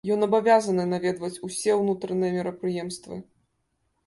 Ён абавязаны наведваць усе ўнутраныя мерапрыемствы.